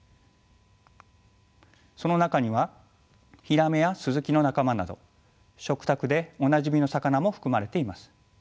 その中にはヒラメやスズキの仲間など食卓でおなじみの魚も含まれています。